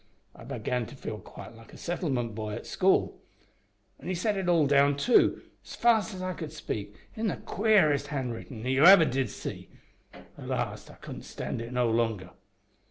I began to feel quite like a settlement boy at school. An' he set it all down, too, as fast as I could speak, in the queerest hand writin' you ever did see. At last I couldn't stand it no longer.